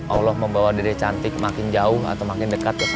allah membawa diri cantik makin jauh atau makin dekat ke sini